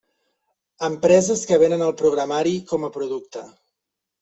Empreses que venen el programari com a producte.